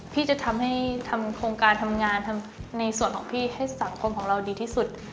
พี่จะทำให้ทำโครงการทำงานทำในส่วนของพี่ให้สังคมของเราดีที่สุด